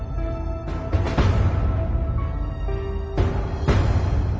โปรดติดตามตอนต่อไป